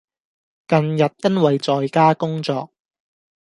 近日因為在家工作